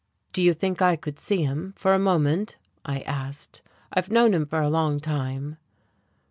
"Do you think I could see him for a moment?" I asked. "I've known him for a long time."